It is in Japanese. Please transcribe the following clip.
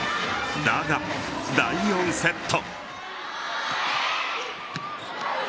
だが、第４セット。